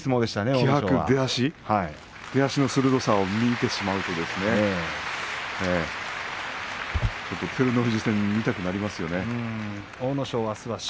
気迫、出足、鋭さを見るとちょっと照ノ富士戦見たくなりますよね。